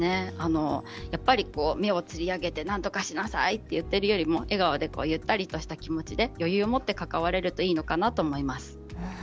目をつり上げて、なんとかしなさいと言うよりも笑顔でゆったりとした気持ちで余裕を持って関われるといいかなと思います。